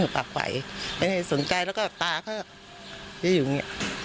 ปากไวผมได้สนใจแล้วก็ยเขาอยู่นี่